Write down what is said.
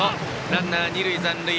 ランナーは二塁残塁。